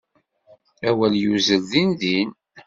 Awal yuzzel din din.